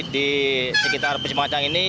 di sekitar persimpangan sadang ini